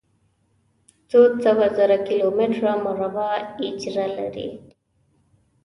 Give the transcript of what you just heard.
څو سوه زره کلومتره مربع اېجره لري.